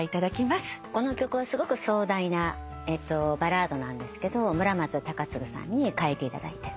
この曲はすごく壮大なバラードなんですけど村松崇継さんに書いていただいて。